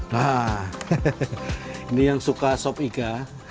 wah ini yang suka sop iga